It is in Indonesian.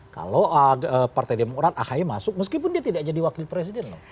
kalau partai demokrat ahy masuk meskipun dia tidak jadi wakil presiden loh